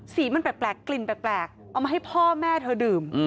สีมันแปลกกลิ่นแปลกเอามาให้พ่อแม่เธอดื่ม